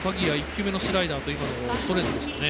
１球目のスライダーと今のストレートですかね。